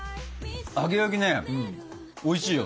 揚げ焼きねおいしいよ。